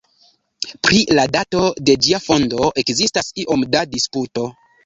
Pri la dato de ĝia fondo ekzistas iom da disputo.